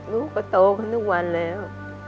ลูกก็โตขึ้นทุกวันแล้ว